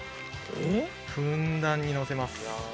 ふんだんにのせます。